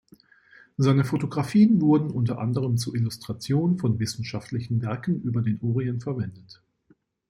Seine Photographien wurden unter anderem zur Illustration von wissenschaftlichen Werken über den Orient verwendet.